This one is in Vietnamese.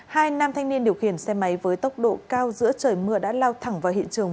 hai nam thanh niên điều khiển xe máy với tốc độ cao giữa trời mưa đã lao thẳng vào hiện trường